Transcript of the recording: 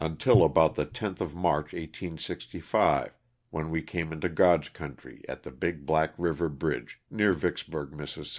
until about the 10th of March, 1865, when we came into God's country at the Big Black river bridge, near Vicksburg, Miss.